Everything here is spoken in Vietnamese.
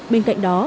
bên cạnh đó